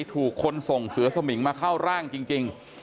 ถูกคนส่งเสือสมิงมาเข้าร่างจริง